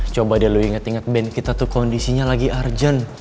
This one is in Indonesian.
coba deh lu inget inget band kita tuh kondisinya lagi arjan